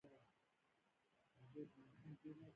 ژبه د شخصیت جوړونې لپاره مهمه ده.